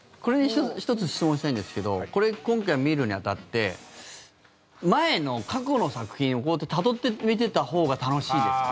１つ質問したいんですけどこれ、今回見るに当たって前の過去の作品をたどって見ていったほうが楽しいですか？